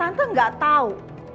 tante gak tahu